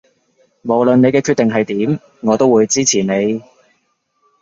無論你嘅決定係點我都會支持你